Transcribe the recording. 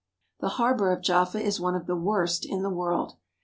The harbour of Jaffa is one of the worst in the world.